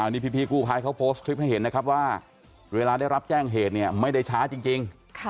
นี่พี่กู้ภัยเขาโพสต์คลิปให้เห็นนะครับว่าเวลาได้รับแจ้งเหตุเนี่ยไม่ได้ช้าจริง